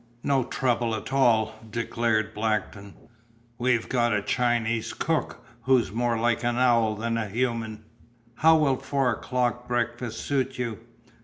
"No trouble at all," declared Blackton. "We've got a Chinese cook who's more like an owl than a human. How will a four o'clock breakfast suit you?"